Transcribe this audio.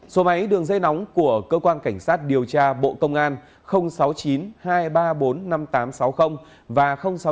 số máy đường dây nóng của cơ quan cảnh sát điều tra bộ công an sáu mươi chín hai trăm ba mươi bốn năm nghìn tám trăm sáu mươi và sáu mươi chín hai trăm ba mươi hai một nghìn sáu trăm sáu mươi